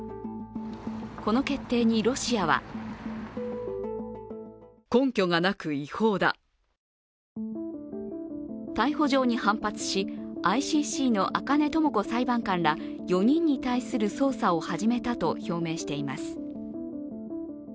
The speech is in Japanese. この決定にロシアは逮捕状に反発し、ＩＣＣの赤根智子裁判官ら４人に対する捜査を始めたという表明しています。